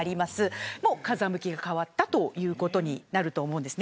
風向きが変わったということになると思うんです。